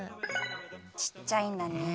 ちっちゃいんだね。